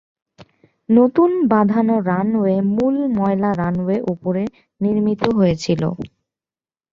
নতুন বাঁধানো রানওয়ে মূল ময়লা রানওয়ে উপরে নির্মিত হয়েছিল।